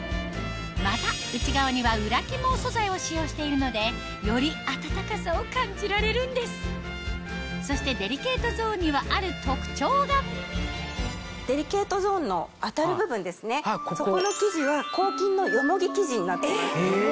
また内側には裏起毛素材を使用しているのでよりあたたかさを感じられるんですそしてデリケートゾーンにはある特徴がデリケートゾーンの当たる部分そこの生地は抗菌のよもぎ生地になってます。